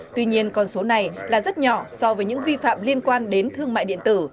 tuy nhiên con số này là rất nhỏ so với những vi phạm liên quan đến thương mại điện tử